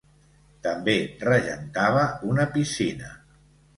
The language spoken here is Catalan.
També regentava una piscina.